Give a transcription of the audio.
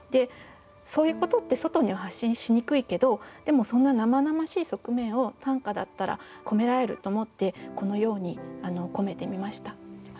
そういうことって外には発信しにくいけどでもそんな生々しい側面を短歌だったら込められると思ってこのように込めてみました。